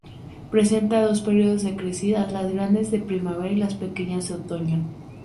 Presenta dos períodos de crecidas, las grandes de primavera y las pequeñas de otoño.